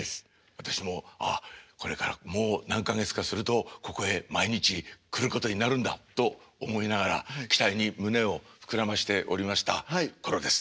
私もああこれからもう何か月かするとここへ毎日来ることになるんだと思いながら期待に胸を膨らましておりました頃です。